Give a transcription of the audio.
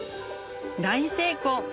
大成功！